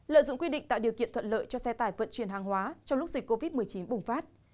lợi dụng quy định tạo điều kiện thuận lợi cho xe tải vận chuyển hàng hóa trong lúc dịch covid một mươi chín bùng phát